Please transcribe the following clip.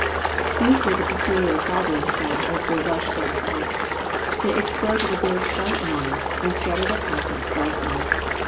These make a peculiar gobbling sound as they rush overhead. They explode with a very slight noise and scatter their contents broadcast.